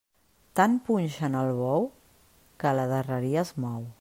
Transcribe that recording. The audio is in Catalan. Tant punxen el bou, que a la darreria es mou.